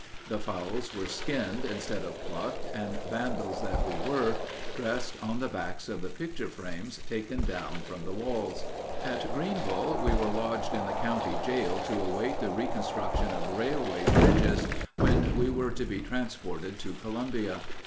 The fowls were skinned instead of plucked, and, vandals that we were, dressed on the backs of the picture frames taken down from the walls. At Greenville we were lodged in the county jail to await the reconstruction of railway bridges, when we were to be transported to Columbia.